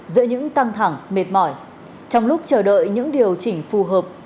giữa những căng thẳng mệt mỏi trong lúc chờ đợi những điều chỉnh phù hợp